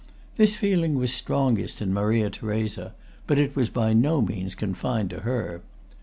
This feeling was strongest in Maria Theresa; but it was by no means confined to her.